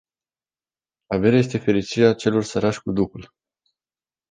Averea este fericirea celor săraci cu duhul.